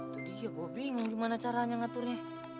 tuh dia gua bingung gimana caranya ngaturnya